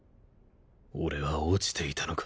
俺は落ちていたのか。